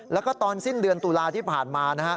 แล้วก็ตอนสิ้นเดือนตุลาที่ผ่านมานะฮะ